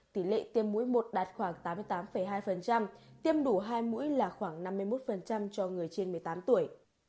tỷ lệ tiêm mũi một đạt khoảng tám mươi tám hai tiêm đủ hai mũi là khoảng năm mươi một cho người trên một mươi tám tuổi